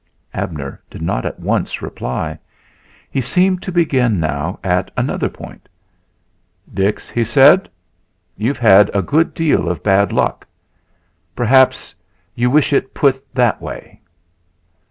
Abner did not at once reply. He seemed to begin now at another point. "Dix," he said, "you've had a good deal of bad luck...Perhaps you wish it put that way."